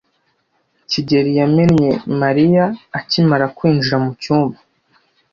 kigeli yamenye Mariya akimara kwinjira mucyumba.